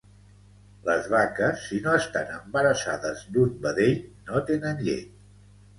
Les vaques si no estan embarassades d'un vedell no tenen llet